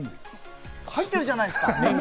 入ってるじゃないですか。